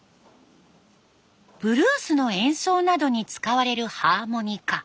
ブルースの演奏などに使われるハーモニカ。